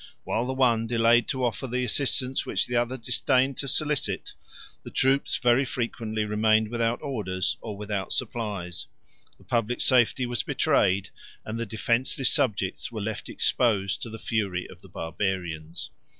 While the one delayed to offer the assistance which the other disdained to solicit, the troops very frequently remained without orders or without supplies; the public safety was betrayed, and the defenceless subjects were left exposed to the fury of the Barbarians.